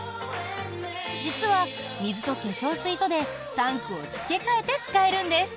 実は水と化粧水とで、タンクを付け替えて使えるんです。